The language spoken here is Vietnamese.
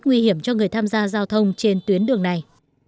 nguy hiểm cho người tham gia giao thông trên tuyến đường này